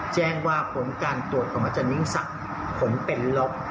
แจ้งว่าผลการตรวจของอาจารยิ่งศักดิ์ผลเป็นลบ